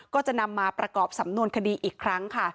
ก็จะนำมาประกอบสำนวนคดีอีกครั้งค่ะ